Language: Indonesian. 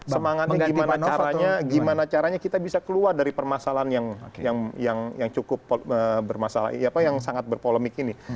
semangatnya gimana caranya kita bisa keluar dari permasalahan yang cukup bermasalah yang sangat berpolemik ini